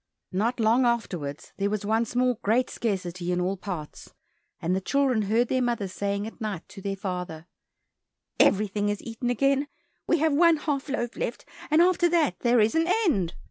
Not long afterwards, there was once more great scarcity in all parts, and the children heard their mother saying at night to their father, "Everything is eaten again, we have one half loaf left, and after that there is an end.